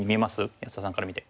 安田さんから見て。